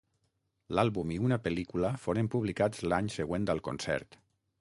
L'àlbum i una pel·lícula foren publicats l'any següent al concert.